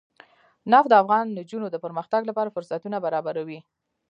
نفت د افغان نجونو د پرمختګ لپاره فرصتونه برابروي.